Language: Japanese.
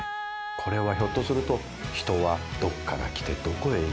これはひょっとすると人はどっから来てどこへ行くのか。